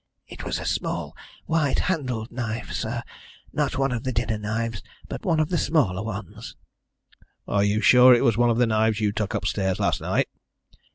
"It was a small, white handled knife, sir not one of the dinner knives, but one of the smaller ones." "Are you sure it was one of the knives you took upstairs last night?"